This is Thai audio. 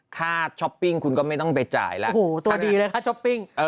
ช้อปปิ้งคุณก็ไม่ต้องไปจ่ายแล้วโอ้โหตัวดีเลยค่าช้อปปิ้ง